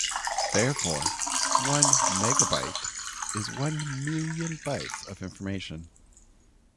Therefore, one megabyte is one million bytes of information.